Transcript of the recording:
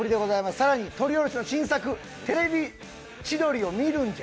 さらに撮り下ろしの新作「『テレビ千鳥』を見るんじゃ！！」。